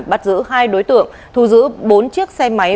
bắt giữ hai đối tượng thu giữ bốn chiếc xe máy